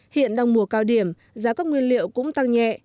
hiện đang mùa cao điểm giá các nguyên liệu cũng tăng nhẹ